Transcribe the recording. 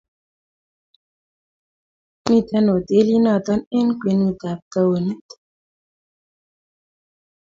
mito hotelit noto eng' kwenutab townit.